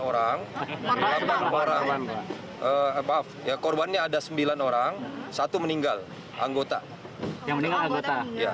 orang delapan orang korbannya ada sembilan orang satu meninggal anggota yang meninggal anggota